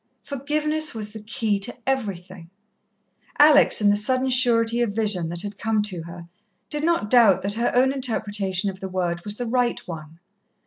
Forgiveness was the key to everything. Alex, in the sudden surety of vision that had come to her, did not doubt that her own interpretation of the word was the right one.